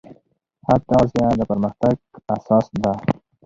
ښه تغذیه د پرمختګ اساس ده.